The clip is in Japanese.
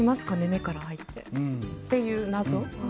目から入って、という謎？